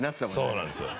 そうなんですよ。